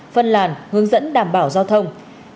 phân làn hướng dẫn đảm bảo giao thông